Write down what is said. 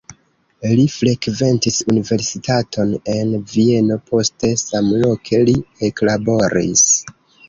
Li frekventis universitaton en Vieno, poste samloke li eklaboris.